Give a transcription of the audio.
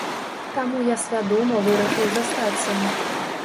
Таму я свядома вырашыў застацца.